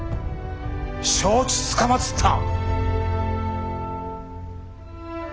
承知つかまつった！